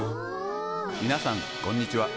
みなさんこんにちは。